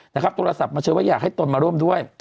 โทรศัพท์มาเชิญว่าอยากให้ตนมาร่วมด้วย